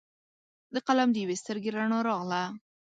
د قلم د یوي سترګې رڼا راغله